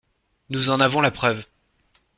Nous en avons la preuve.